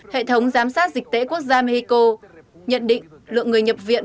hệ thống giám sát dịch tễ quốc gia mexico nhận định lượng người nhập viện